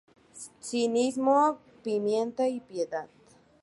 Cinismo, pimienta y piedad.